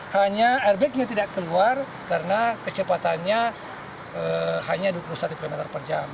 hanya airbag juga tidak keluar karena kecepatannya hanya dua puluh satu km per jam